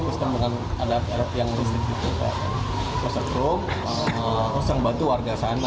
terus tembakan ada yang disitu terus yang bantu warga sana